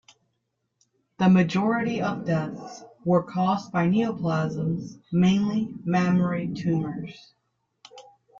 The majority of deaths were caused by neoplasms, mainly mammary tumors.